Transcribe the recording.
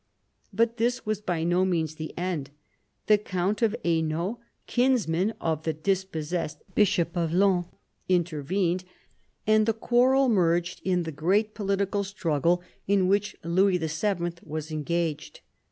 But this was by no means the end. The count of Hainault, kinsman of the dis possessed bishop of Laon, intervened, and the quarrel merged in the great political struggle in which Louis VII. was engaged.